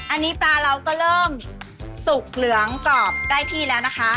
อันนี้ปลาเราก็เริ่มสุกเหลืองกรอบได้ที่แล้วนะคะ